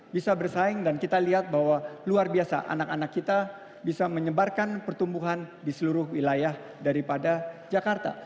bisa bersaing dan kita lihat bahwa luar biasa anak anak kita bisa menyebarkan pertumbuhan di seluruh wilayah daripada jakarta